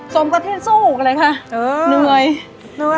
ส่งกับที่สู้เลยค่ะ